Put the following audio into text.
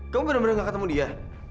kamu bener bener gak ketemu dia